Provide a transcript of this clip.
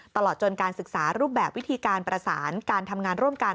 ตลอดจนการศึกษารูปแบบวิธีการประสานการทำงานร่วมกัน